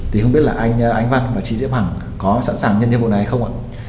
thì không biết là anh văn và chị diễm hoàng có sẵn sàng nhân nhiệm vụ này không ạ